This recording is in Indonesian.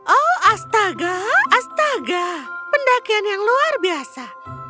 oh astaga astaga pendakian yang luar biasa